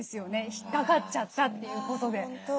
引っかかっちゃったということで。